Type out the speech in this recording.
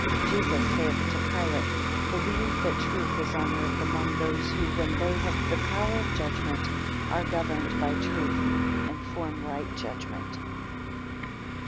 14 Jesus saith to Pilate, Believe that truth is on earth among those, who when they have the power of judgment, are governed by truth, and form right judgment.